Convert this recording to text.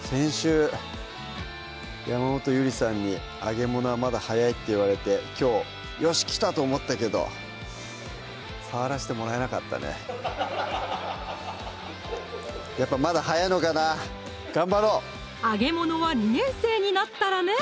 先週山本ゆりさんに「揚げ物はまだ早い」って言われてきょうよし来たと思ったけどやっぱまだ早いのかな頑張ろう揚げ物は２年生になったらね！